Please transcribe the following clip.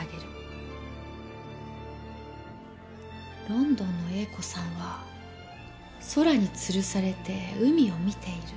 ロンドンのＡ子さんは空につるされて海を見ている。